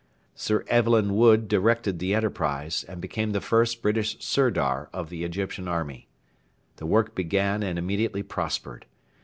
Sir Evelyn Wood directed the enterprise, and became the first British Sirdar of the Egyptian army. The work began and immediately prospered.